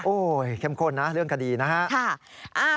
โอ้โหเข้มข้นนะเรื่องคดีนะฮะ